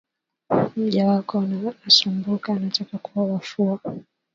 Mja wako nasumbuka, nataka kwao afua